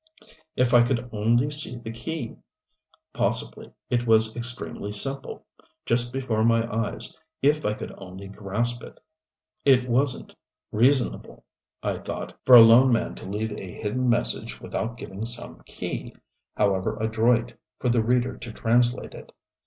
If I could only see the key! Possibly it was extremely simple, just before my eyes if I could only grasp it. It wasn't reasonable, I thought, for a lone man to leave a hidden message without giving some key, however adroit, for the reader to translate it.